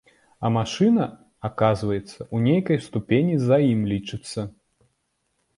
А машына, аказваецца, у нейкай ступені за ім лічыцца.